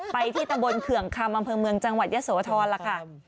ไปที่ตำบลเขื่องคำอำเภอเมืองจังหวัดยะโสธรล่ะค่ะ